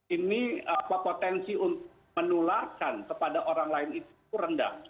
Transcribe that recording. ini potensi untuk menularkan kepada orang lain itu rendah